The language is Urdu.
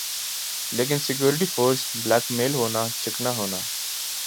لیکن سیکورٹی فورس بلیک میل ہونا چکنا ہونا